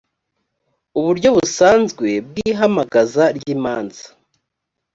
uburyo busanzwe bw’ ihamagaza ry ‘imanza.